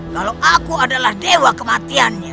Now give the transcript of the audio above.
kalau aku adalah dewa kematiannya